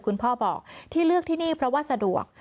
คุณพ่อบอกที่เลือกที่นี่เพราะว่าสะดวก